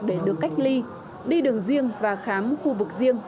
để được cách ly đi đường riêng và khám khu vực riêng